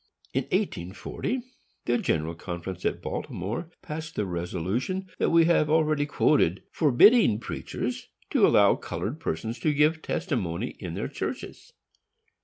In 1840, the General Conference at Baltimore passed the resolution that we have already quoted, forbidding preachers to allow colored persons to give testimony in their churches.